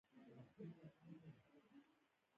بریلویه او ځینو صوفیانو خپله غېږه خلاصه کړې وه.